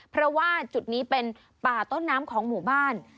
เพราะว่าจุดนี้เป็นป่าต้นน้ำของหมู่บ้าน